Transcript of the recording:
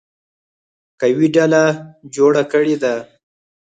قوي ډله جوړه کړې ده.